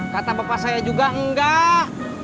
kata bapak saya juga enggak